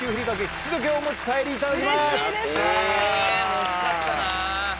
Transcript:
欲しかったな。